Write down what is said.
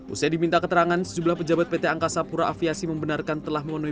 usai diminta keterangan sejumlah pejabat pt angkasa pura aviasi membenarkan telah memenuhi